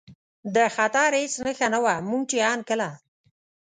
د خطر هېڅ نښه نه وه، موږ چې ان کله.